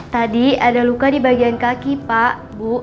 tadi ada luka di bagian kaki pak bu